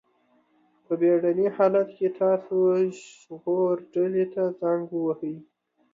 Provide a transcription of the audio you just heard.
په بېړني حالت کې تاسو ژغورډلې ته زنګ ووهئ.